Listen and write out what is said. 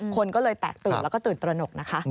คนก็เลยแตกตื่นแล้วก็ตื่นตระหนกนะคะ